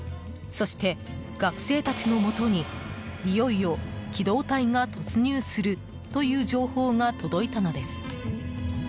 そして、学生たちのもとにいよいよ機動隊が突入するという情報が届いたのです。